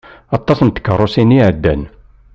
Aṭas n tkeṛṛusin i ɛeddan.